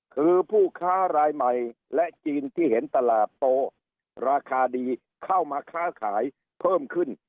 คือผู้ค้ารายใหม่และจีนที่เห็นตลาดโตราคาดีเข้ามาค้าขายเพิ่มขึ้น